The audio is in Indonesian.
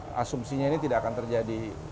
sehingga asumsinya ini tidak akan terjadi mati lama